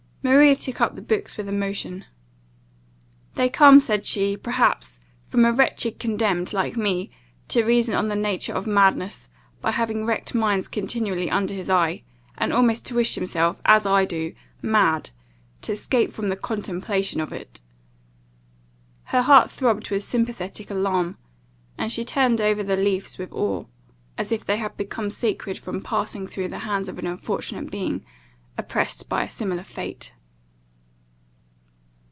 Maria took up the books with emotion. "They come," said she, "perhaps, from a wretch condemned, like me, to reason on the nature of madness, by having wrecked minds continually under his eye; and almost to wish himself as I do mad, to escape from the contemplation of it." Her heart throbbed with sympathetic alarm; and she turned over the leaves with awe, as if they had become sacred from passing through the hands of an unfortunate being, oppressed by a similar fate.